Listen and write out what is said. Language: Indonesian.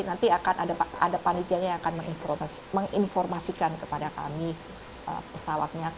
nanti akan ada panitianya yang akan menginformasikan kepada kami pesawatnya